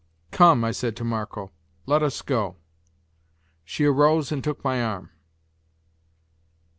"Come," said I to Marco, "let us go." She arose and took my arm.